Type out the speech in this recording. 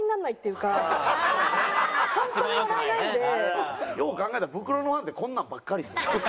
よう考えたらブクロのファンってこんなんばっかりですよね。